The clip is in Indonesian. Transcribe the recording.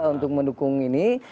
untuk mendukung ini